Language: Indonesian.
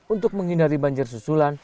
untuk menghindari banjir susulan